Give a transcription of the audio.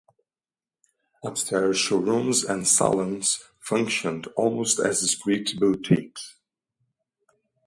Upstairs showrooms and salons functioned almost as discrete boutiques.